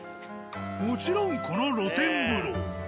もちろんこの露天風呂。